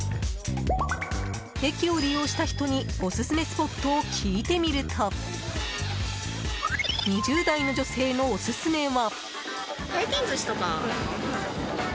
駅を利用した人にオススメスポットを聞いてみると２０代の女性のオススメは。